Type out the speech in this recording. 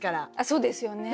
そうですよね。